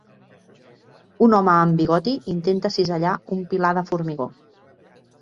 Un home amb bigoti intenta cisellar un pilar de formigó.